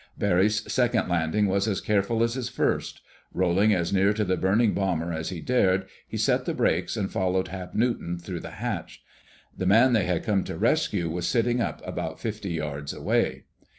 Barry's second landing was as careful as his first. Rolling as near to the burning bomber as he dared, he set the brakes, and followed Hap Newton through the hatch. The man they had come to rescue was sitting up about fifty yards away.